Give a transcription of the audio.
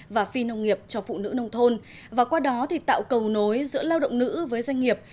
và phi nông nghiệp cho phụ nữ nông thôn và qua đó thì tạo cầu nối giữa lao động nữ với doanh nghiệp